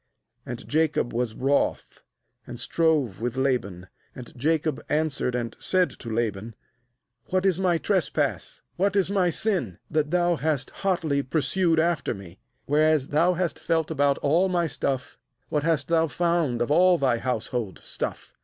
36And Jacob was wroth, and strove with Laban. And Jacob answered and said to Laban: 'What is my trespass? what is my sin, that thou hast hotly pursued after me? 37Whereas thou a That is, the Euphrates. GENESIS 32.7 hast felt about all my stuff, what hast thou lound of all thy household stuff?